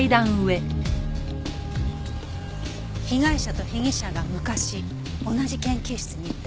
被害者と被疑者が昔同じ研究室にいた。